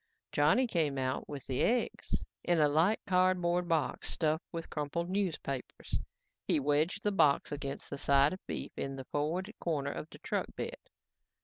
Johnny came out with the eggs in a light cardboard box stuffed with crumpled newspapers. He wedged the box against the side of beef in the forward corner of the truck bed.